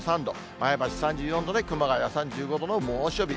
前橋３４度で熊谷３５度の猛暑日。